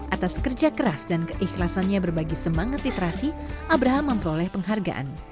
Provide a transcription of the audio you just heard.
atas kerja keras dan keikhlasannya berbagi semangat literasi abraham memperoleh penghargaan